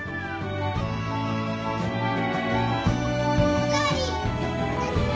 お代わり！